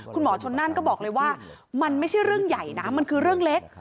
คุณหมอชนนั่นก็บอกเลยว่ามันไม่ใช่เรื่องใหญ่นะมันคือเรื่องเล็ก